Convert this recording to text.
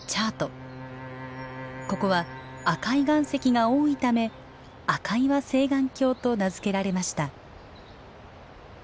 ここは赤い岩石が多いため赤岩青巌峡と名付けられました。